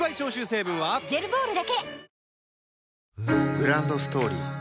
グランドストーリー